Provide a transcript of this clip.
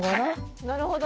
なるほど！